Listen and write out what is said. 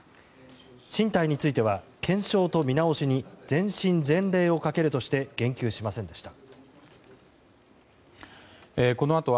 進退については、検証と見直しに全身全霊をかけるとして言及しませんでした。